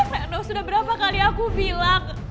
aduh sudah berapa kali aku bilang